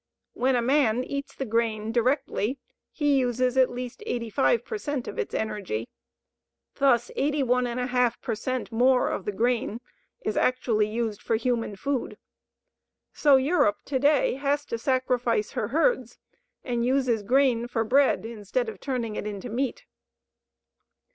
When a man eats the grain directly, he uses at least 85 per cent of its energy. Thus 81½ per cent more of the grain is actually used for human food. So Europe to day has to sacrifice her herds, and uses grain for bread instead of turning it into meat.